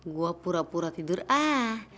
gue pura pura tidur ah